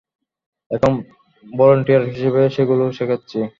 এখন ভলান্টিয়ার হিসেবে সেগুলো শেখাচ্ছি।